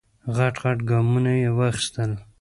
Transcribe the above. غټ غټ ګامونه یې واخیستل.